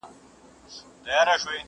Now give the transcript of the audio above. له پاڼو تشه ونه!